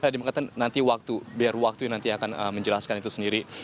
dia mengatakan nanti waktu biar waktu nanti akan menjelaskan itu sendiri